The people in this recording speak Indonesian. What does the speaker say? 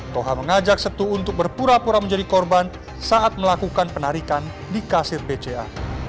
toha mengajak setu untuk berpura pura menjadi korban saat melakukan penarikan di kasir bca